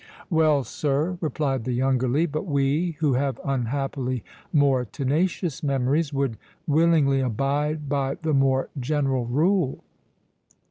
"Well, sir," replied the younger Lee; "but we, who have unhappily more tenacious memories, would willingly abide by the more general rule."